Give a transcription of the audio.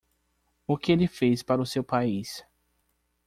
O que ele fez para o seu país?